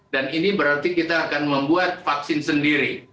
dan ini berarti kita akan membuat vaksin sendiri